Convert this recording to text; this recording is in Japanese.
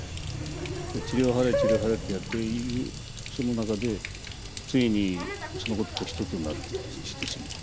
「塵を払え塵を払え」ってやっているその中でついにそのことと一つになってしてしまう。